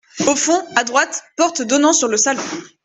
Au fond, à droite, porte donnant sur le salon.